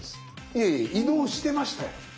いえいえ移動してましたよ。